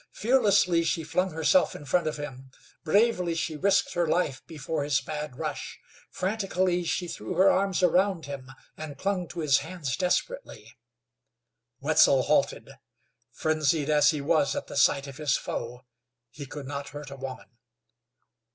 Fearlessly she flung herself in front of him; bravely she risked her life before his mad rush; frantically she threw her arms around him and clung to his hands desperately. Wetzel halted; frenzied as he was at the sight of his foe, he could not hurt a woman.